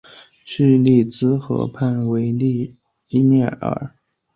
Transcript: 叙伊兹河畔维利耶尔。